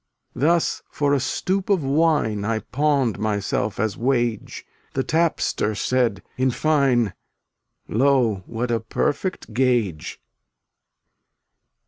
fftltUt Thus for a stoup of wine J I pawned myself as wage; The tapster said, in fine: "Lo! what a perfect gage!"